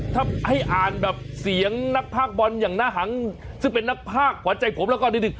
ถ้าให้อ่านแบบเสียงนักภาคบอลอย่างหน้าหังซึ่งเป็นนักภาคขวานใจผมแล้วก็นิดหนึ่ง